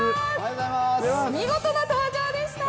見事な登場でした。